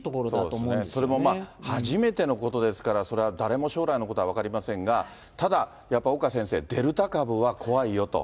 そうですね、それも初めてのことですから、それは誰も将来のことは分かりませんが、ただ、やっぱり岡先生、デルタ株は怖いよと。